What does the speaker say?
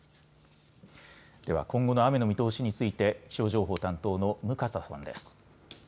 では今後の雨の見通しについて気象情報担当の向笠さんです。